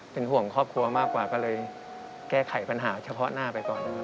เป็นห่วงครอบครัวมากกว่าก็เลยแก้ไขปัญหาเฉพาะหน้าไปก่อน